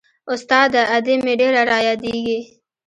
استاده ادې مې ډېره رايادېږي.